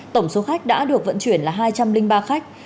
tổng số khách đã được vận chuyển là hai trăm linh ba khách